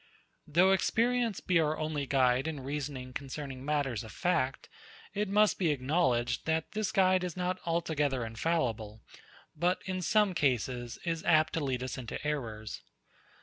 87. Though experience be our only guide in reasoning concerning matters of fact; it must be acknowledged, that this guide is not altogether infallible, but in some cases is apt to lead us into errors.